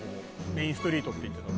「メインストリートっていってた」